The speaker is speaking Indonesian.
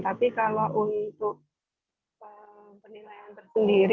tapi kalau untuk penilaian tersendiri